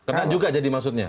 kena juga jadi maksudnya